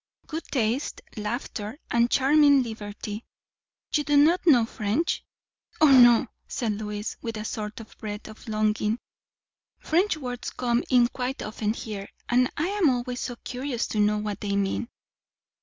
"Good taste, laughter, and charming liberty. You do not know French?" "O no," said Lois, with a sort of breath of longing. "French words come in quite often here, and I am always so curious to know what they mean."